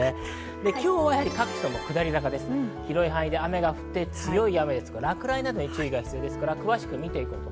今日は各地とも下り坂で広い範囲で雨が降って強い雨、落雷などに注意が必要です。